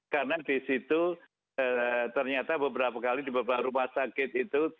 karena di situ ternyata beberapa kali di beberapa rumah sakit itu